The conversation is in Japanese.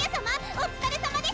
お疲れさまです